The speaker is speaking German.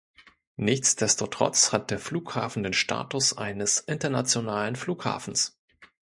Nichtsdestotrotz hat der Flughafen den Status eines Internationalen Flughafens.